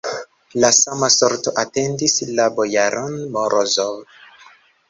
La sama sorto atendis la bojaron Morozov.